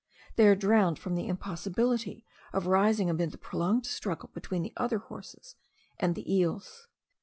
They are drowned from the impossibility of rising amid the prolonged struggle between the other horses and the eels.